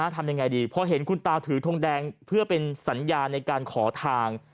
ทำยังไงดีพอเห็นคุณตาถือทงแดงเพื่อเป็นสัญญาในการขอทาง